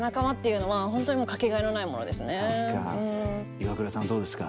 イワクラさんどうですか？